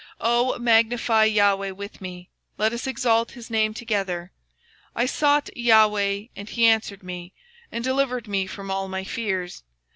O magnify the LORD with me, And let us exalt his name together. I sought the LORD, and he heard me, And delivered me from all my fears.